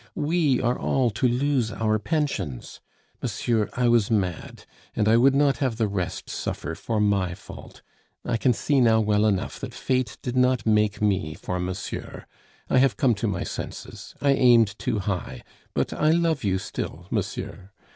We are all to lose our pensions.... Monsieur, I was mad, and I would not have the rest suffer for my fault.... I can see now well enough that fate did not make me for monsieur. I have come to my senses, I aimed too high, but I love you still, monsieur.